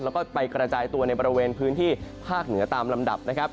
แล้วก็ไปกระจายตัวในบริเวณพื้นที่ภาคเหนือตามลำดับนะครับ